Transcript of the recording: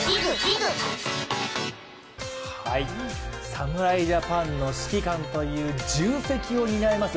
侍ジャパンの指揮官という重責を担います